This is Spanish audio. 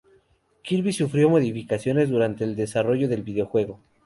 Kirby sufrió modificaciones durante el desarrollo del videojuego.